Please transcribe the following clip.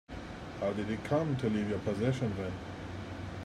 How did it come to leave your possession then?